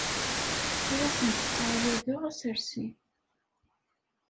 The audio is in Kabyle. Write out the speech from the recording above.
Ur asent-ttɛawadeɣ assersi.